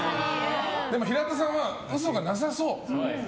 でも平田さんは嘘がなさそう。